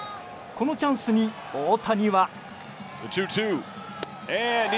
このチャンスに、大谷は。